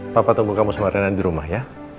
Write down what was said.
papa tunggu kamu sama rena di rumah ya